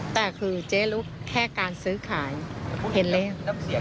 แต่คือเจ๊ลุกแค่การซื้อขายเห็นแล้ว